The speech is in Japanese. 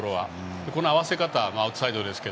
そして合わせ方、アウトサイド。